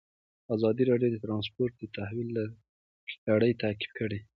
ازادي راډیو د ترانسپورټ د تحول لړۍ تعقیب کړې.